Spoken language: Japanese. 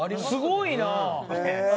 すごいな。